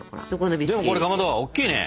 でもこれかまどおっきいね。